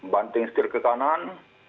banting setir ke kanan